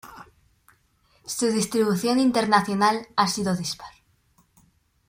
Su distribución internacional ha sido dispar.